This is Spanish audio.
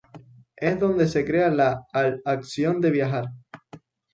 Es donde se crea la al acción de viajar.